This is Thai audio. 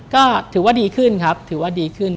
ก็ถือว่าดีขึ้นครับถือว่าดีขึ้น